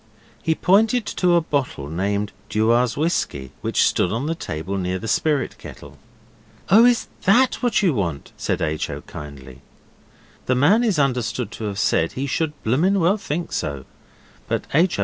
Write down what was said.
He pointed to a bottle labelled Dewar's whisky, which stood on the table near the spirit kettle. 'Oh, is THAT what you want?' said H. O. kindly. The man is understood to have said he should bloomin' well think so, but H. O.